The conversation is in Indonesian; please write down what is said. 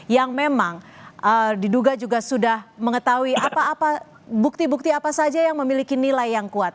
yang memang diduga juga sudah mengetahui bukti bukti apa saja yang memiliki nilai yang kuat